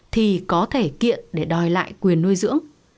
thì có thể kiện để đòi lại quyền nuôi dưỡng